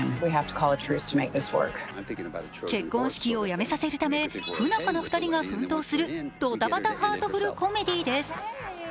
結婚式をやめさせるため不仲な２人が奮闘するドタバタハートフルコメディーです。